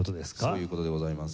そういう事でございます。